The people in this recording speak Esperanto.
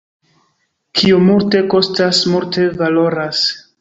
Kio multe kostas, multe valoras.